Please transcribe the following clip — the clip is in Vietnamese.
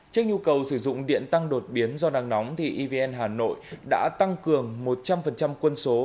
trước nhu cầu sử dụng điện tăng đột biến do nắng nóng thì evn hà nội đã tăng cường một trăm linh quân số